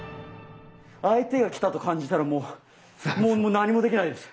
相手が来たと感じたらもうもう何もできないです。